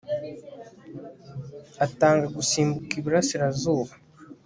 atanga gusimbuka iburasirazuba